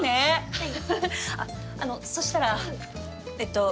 はい。